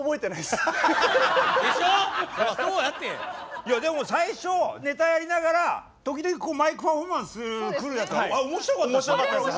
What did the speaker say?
いやでも最初ネタやりながら時々マイクパフォーマンス来るやつ面白かったでしょ。